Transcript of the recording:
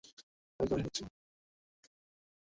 তিনি লন্ডনে ভারতের হাইকমিশনার ছিলেন।